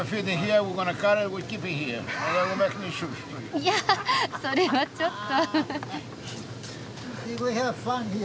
いやそれはちょっと。